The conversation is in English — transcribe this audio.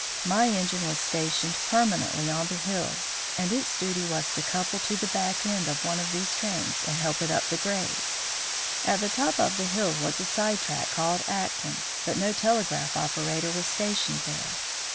My engine was stationed permanently on the hill, and its duty was to couple to the back end of one of these trains and help it up the grade. At the top of the hill was a side track called Acton, but no telegraph operator was stationed there.